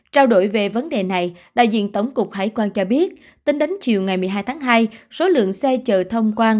trao đổi về vấn đề này đại diện tổng cục hải quan cho biết tính đến chiều ngày một mươi hai tháng hai số lượng xe chở thông quan